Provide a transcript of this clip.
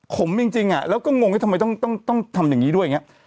ขมจริงอะแล้วก็งงว่าทำไมต้องทำอย่างนี้ด้วย